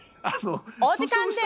お時間です！